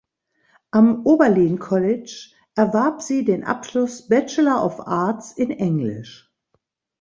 Am Oberlin College erwarb sie den Abschluss Bachelor of Arts in Englisch.